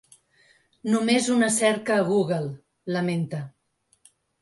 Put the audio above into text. Només una cerca a Google, lamenta.